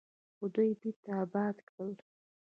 خو دوی بیرته اباد کړل.